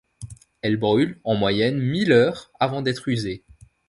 Elles brûlent, en moyenne, mille heures, avant d'être usées.